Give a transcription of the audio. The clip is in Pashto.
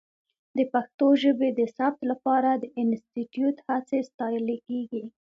د پښتو ژبې د ثبت لپاره د انسټیټوت هڅې ستایلې کېږي.